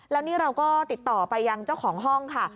แล้วนี่เราก็ติดต่อไปยังเจ้าของห้องค่ะ